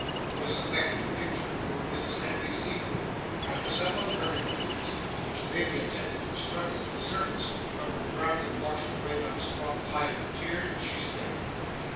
This affecting picture moved Mrs. Kenwigs deeply. After several imperfect words, which vainly attempted to struggle to the surface, but were drowned and washed away by the strong tide of her tears, she spake.